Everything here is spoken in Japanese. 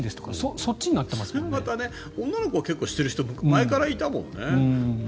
それもまた女の子は結構してる人は前からいたもんね。